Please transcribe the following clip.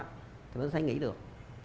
chúng ta sẽ không thể nghỉ được